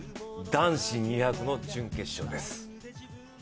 男子２００の準決勝です。